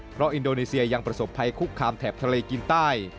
เพราะอินโดนีเซียยังประสบภัยคุกคามแถบทะเลกินใต้